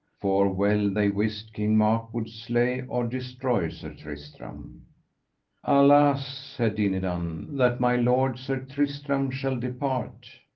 For well they wist King Mark would slay or destroy Sir Tristram. Alas, said Dinadan, that my lord, Sir Tristram, shall depart.